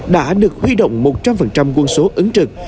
đã được huy động một trăm linh quân số ứng trực